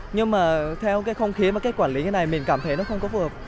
nhưng mà theo cái không khí và cái quản lý như thế này mình cảm thấy nó không có phù hợp